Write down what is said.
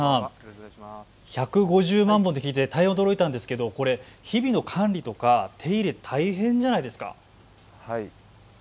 １５０万本と聞いて大変驚いたんですが日々の管理とか手入れ、大変じゃないですか。